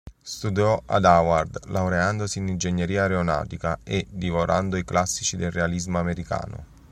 Studiò ad Harvard, laureandosi in ingegneria aeronautica, e divorando i classici del realismo americano.